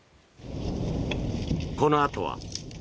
このあとは。